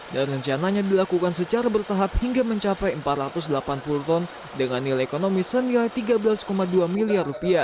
dan rencananya dilakukan secara bertahap hingga mencapai empat ratus delapan puluh ton dengan nilai ekonomis senilai tiga belas dua miliar rupiah